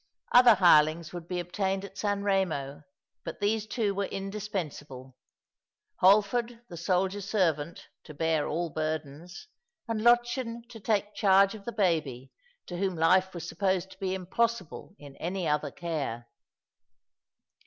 Other hirelongs would be obtained at San Eemo, but these two were indispensable — Holford, the soldier servant, to bear all burdens, and Lottchen to take charge of the baby, to whom life was supposed to be impossible in any other care.